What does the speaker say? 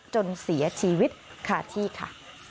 จนเสียชีวิตคาที่ค่ะ